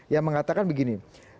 yang mengatakan begini